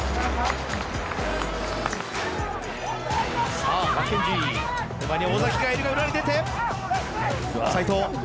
さあマッケンジー手前には尾がいるが裏に出て齋藤。